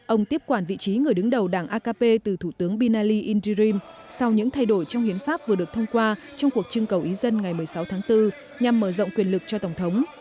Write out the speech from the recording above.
ông tiếp quản vị trí người đứng đầu đảng akp từ thủ tướng binali indirim sau những thay đổi trong hiến pháp vừa được thông qua trong cuộc trưng cầu ý dân ngày một mươi sáu tháng bốn nhằm mở rộng quyền lực cho tổng thống